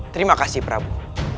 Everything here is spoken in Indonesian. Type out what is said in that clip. terima kasih prabu